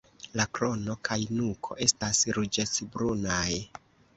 La krono kaj nuko estas ruĝecbrunaj.